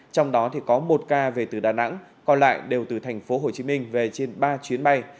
trong đó có một ca về từ đà nẵng còn lại đều từ thành phố hồ chí minh về trên ba chuyến bay